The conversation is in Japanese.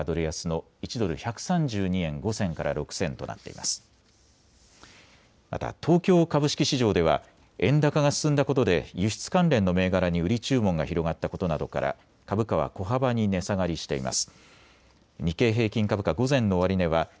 また、東京株式市場では円高が進んだことで輸出関連の銘柄に売り注文が広がったことなどから株価は小幅に値下がりしています。